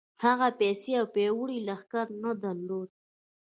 هغه پيسې او پياوړی لښکر نه درلود.